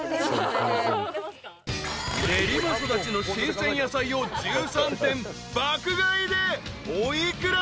［練馬育ちの新鮮野菜を１３点爆買いでお幾ら？］